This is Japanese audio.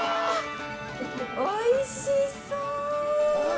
おいしそう！